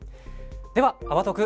では「あわとく」